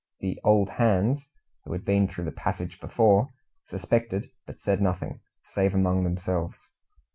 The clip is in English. The "Old Hands" who had been through the Passage before suspected, but said nothing, save among themselves.